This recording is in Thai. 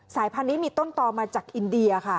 พันธุ์นี้มีต้นต่อมาจากอินเดียค่ะ